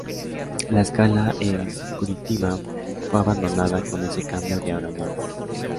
La escala en Curitiba fue abandonada con ese cambio de aeronaves.